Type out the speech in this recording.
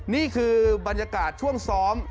นี่คือบรรยากาศช่วงซ้อม